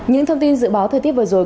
những thông tin dự báo thời tiết vừa rồi